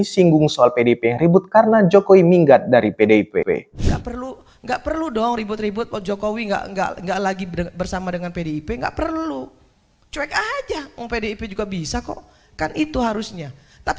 singgung soal pdip yang ribut karena jokowi minggat dari pdip